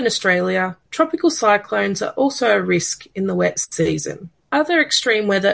australia adalah negara terbesar ke enam di dunia namun meski memiliki luas dataran lebih dari tujuh lima juta km persegi